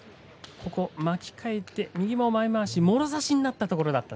巻き替えて右の前まわし、もろ差しになったところでした。